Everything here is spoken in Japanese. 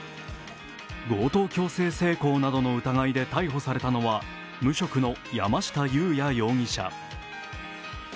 強盗強制性交などの疑いで逮捕されたのは無職の山下裕也容疑者。